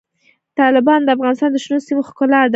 تالابونه د افغانستان د شنو سیمو ښکلا ده.